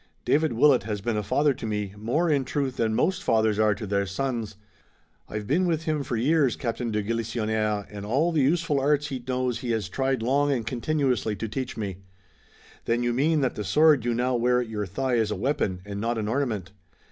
"David Willet has been a father to me, more, in truth, than most fathers are to their sons. I've been with him for years, Captain de Galisonnière, and all the useful arts he knows he has tried long and continuously to teach to me." "Then you mean that the sword you now wear at your thigh is a weapon and not an ornament?"